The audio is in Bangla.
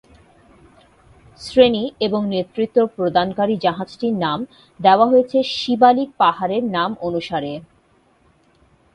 শ্রেণি এবং নেতৃত্ব প্রদানকারী জাহাজটির নাম দেওয়া হয়েছে শিবালিক পাহাড়ের নাম অনুসারে।